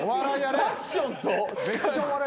ファッションと資格。